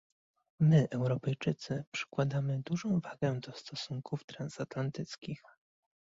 My, Europejczycy, przykładamy dużą wagę do stosunków transatlantyckich